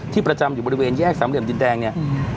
ที่ประจำอยู่บริเวณแยกสำเร็จบินแดงเนี่ย